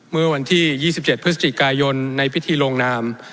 เมื่อวันที่๒๗พฤศจิกายนในพิธีลงนาม